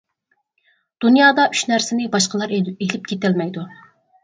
دۇنيادا ئۈچ نەرسىنى باشقىلار ئېلىپ كېتەلمەيدۇ.